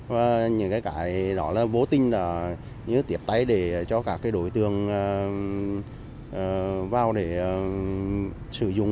và những cái đó là vô tình như tiếp tay để cho các cái đối tượng vào để sử dụng